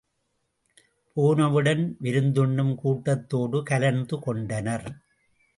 போனவுடன் விருந்துண்ணும் கூட்டத்தோடு கலந்து கொண்டனர்.